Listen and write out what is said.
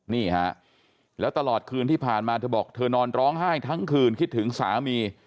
นี่ฮะแล้วตลอดคืนที่ผ่านมาเธอบอกเธอนอนร้องไห้ทั้งคืนคิดถึงสามี